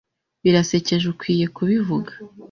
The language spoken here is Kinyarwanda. Birasekeje ukwiye kubivuga.